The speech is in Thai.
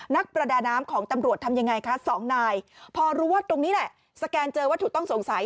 นักประดาน้ำของตำรวจทำยังไงคะสองนายพอรู้ว่าตรงนี้แหละสแกนเจอวัตถุต้องสงสัย